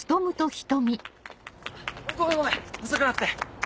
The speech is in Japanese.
・ごめんごめん遅くなって。